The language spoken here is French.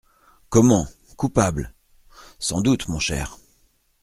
Comment ! coupable ! Sans doute, mon cher.